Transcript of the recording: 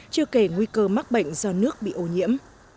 chưa kể nguy cơ mắc bệnh do nước bị ô nhiễm